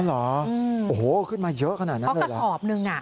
เหรอโอ้โหขึ้นมาเยอะขนาดนั้นเอากระสอบหนึ่งอ่ะ